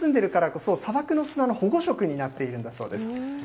これ、砂漠に住んでるからこそ、砂漠の砂の保護色になっているんだそうです。